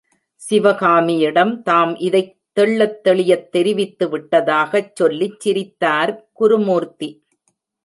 சிவகாமியிடம் தாம் இதைத் தெள்ளத் தெளியத் தெரிவித்து விட்டதாகச் சொல்லிச் சிரித்தார் குருமூர்த்தி.